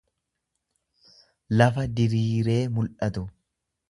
lafa diriiree mul'atu.